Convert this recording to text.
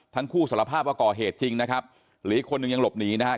สารภาพว่าก่อเหตุจริงนะครับหรืออีกคนนึงยังหลบหนีนะครับ